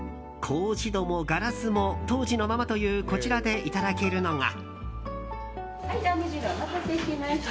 格子戸もガラスも当時のままというこちらでいただけるのが。